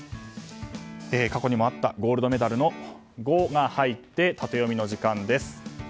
過去にもあったゴールドメダルの「ゴ」が入ってタテヨミの時間です。